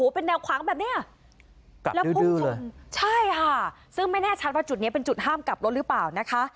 เป็นจุดห้ามกลับรถรึเปล่านะคะ